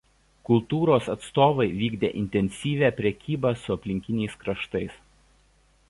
Kultūros atstovai vykdė intensyvią prekybą su aplinkiniais kraštais.